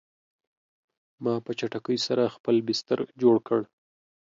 ما په چټکۍ سره خپل بستر جوړ کړ